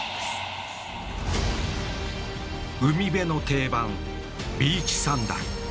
海辺の定番ビーチサンダル